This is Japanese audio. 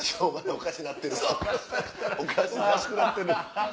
おかしくなってる。